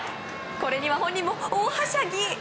これには本人も大はしゃぎ！